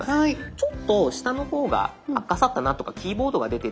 ちょっと下の方があかさたなとかキーボードが出てる。